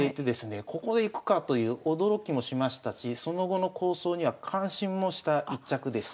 ここでいくかという驚きもしましたしその後の構想には感心もした一着です。